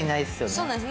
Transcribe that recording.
そうなんです。